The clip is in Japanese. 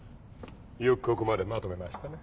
よくここまでまとめましたね。